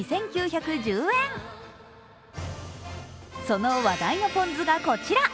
その話題のポン酢がこちら。